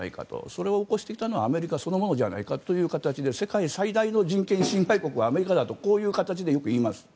それを起こしてきたのはアメリカそのものじゃないかという形で世界最大の人権侵害国はアメリカだとこういう形でよく言います。